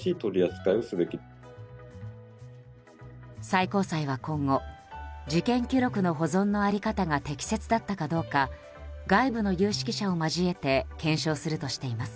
最高裁は今後事件記録の保存の在り方が適切だったかどうか外部の有識者を交えて検証するとしています。